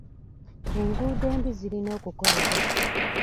Enguudo embi zirina okukolebwa.